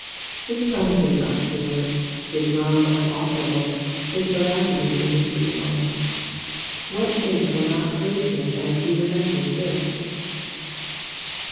His promises are sure, his love unalter able, his veracity indisputable. What saint will not praise him as he remembers this?